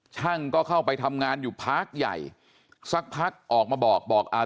ช่างก็เข้าไปทำงานอยู่พักใหญ่สักพักออกมาบอกบอกอ่า